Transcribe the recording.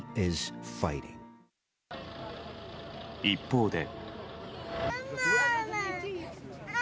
一方で。